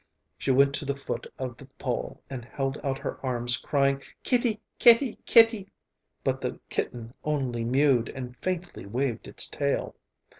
She went to the foot of the pole and held out her arms, crying, "Kitty, kitty, kitty," but the kitten only mewed and faintly waved its tail.